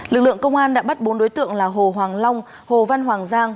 lực lượng công an đã bắt bốn đối tượng là hồ hoàng long hồ văn hoàng giang